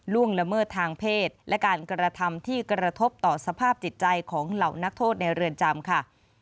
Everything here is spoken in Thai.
ละเมิดทางเพศและการกระทำที่กระทบต่อสภาพจิตใจของเหล่านักโทษในเรือนจำค่ะ